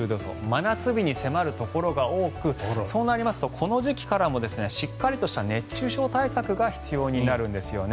真夏日に迫るところが多くそうなるとこの時期からもしっかりとした熱中症対策が必要になるんですよね。